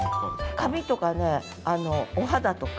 髪とかねお肌とか。